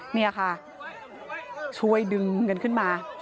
นี่ค่ะช่วยดึงกันขึ้นมา